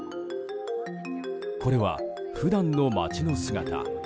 これは、普段の街の姿。